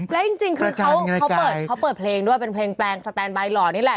และจริงคือเขาเปิดเพลงด้วยเป็นเพลงแปลงสแตนบายหล่อนี่แหละ